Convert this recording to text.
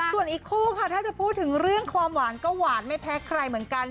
ส่วนอีกคู่ค่ะถ้าจะพูดถึงเรื่องความหวานก็หวานไม่แพ้ใครเหมือนกัน